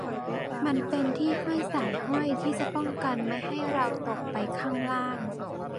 มันเป็นที่ห้อยสายห้อยที่จะป้องกันไม่ให้เราตกไปข้างล่าง